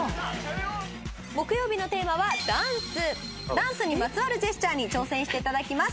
ダンスにまつわるジェスチャーに挑戦していただきます。